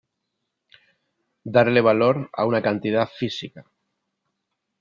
Darle valor a una cantidad física.